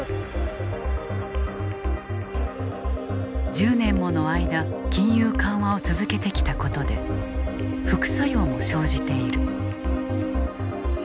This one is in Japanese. １０年もの間金融緩和を続けてきたことで副作用も生じている。